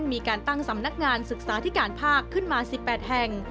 มีการตั้งสำนักงานศึกษาธิการภาคขึ้นมา๑๘แห่ง